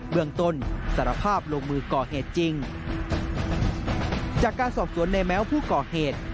เมืองต้นสารภาพลงมือก่อเหตุจริงจากการสอบสวนในแม้วผู้ก่อเหตุ